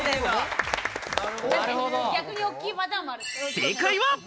正解は。